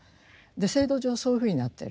制度上はそういうふうになっている。